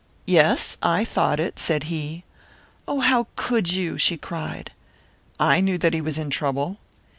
"Yes, I thought it," said he. "Oh, how could you!" she cried. "I knew that he was in trouble."